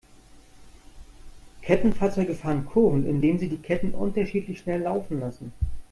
Kettenfahrzeuge fahren Kurven, indem sie die Ketten unterschiedlich schnell laufen lassen.